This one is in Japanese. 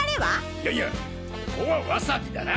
いやいやここはワサビだな！！